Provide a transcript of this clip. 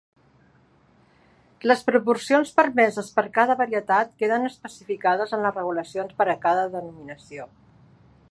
Les proporcions permeses per a cada varietat queden especificades en les regulacions per a cada "denominació".